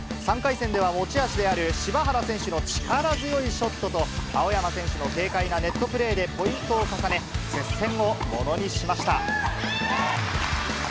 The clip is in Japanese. ３回戦では持ち味である柴原選手の力強いショットと、青山選手の軽快なネットプレーでポイントを重ね、接戦をものにしました。